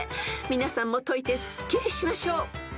［皆さんも解いてすっきりしましょう］